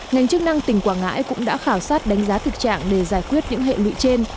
ngành chức năng tỉnh quảng ngãi cũng đã khảo sát đánh giá thực trạng để giải quyết những hệ lụy trên